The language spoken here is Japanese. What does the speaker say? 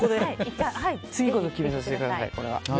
次こそ決めさせてください。